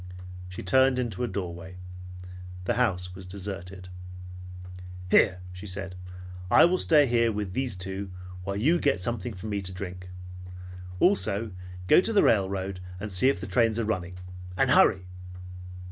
She turned into a doorway. The house was deserted. "Here," she said, "I will stay here with these two, while you get something for me to drink. Also go to the railroad and see if the trains are running. And hurry!"